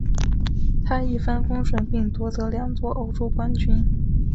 他一帆风顺并夺得两座欧洲冠军。